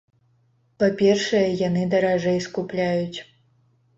Па-першае, яны даражэй скупляюць.